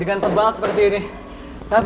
ini siapa yang segera ditantang